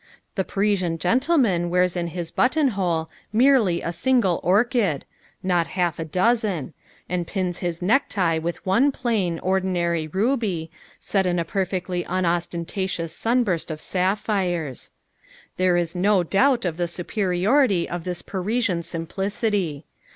The Parisian gentleman wears in his button hole merely a single orchid, not half a dozen, and pins his necktie with one plain, ordinary ruby, set in a perfectly unostentatious sunburst of sapphires. There is no doubt of the superiority of this Parisian simplicity.